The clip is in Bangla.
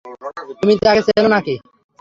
তুমি তাকে চেন নাকি?